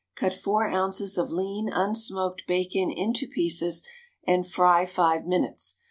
Cut four ounces of lean unsmoked bacon into pieces, and fry five minutes.